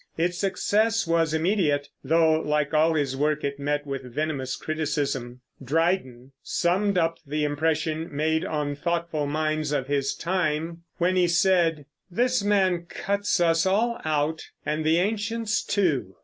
Its success was immediate, though, like all his work, it met with venomous criticism. Dryden summed up the impression made on thoughtful minds of his time when he said, "This man cuts us all out, and the ancients too."